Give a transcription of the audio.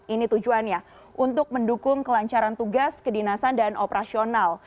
ini tujuannya untuk mendukung kelancaran tugas kedinasan dan operasional